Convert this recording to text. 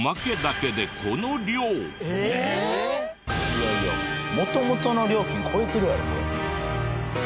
いやいや元々の料金超えてるやろこれ。